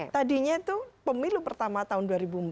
tadinya itu pemilu pertama tahun dua ribu empat